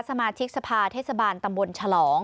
สมาชิกสภาเทศบาลตำบลฉลอง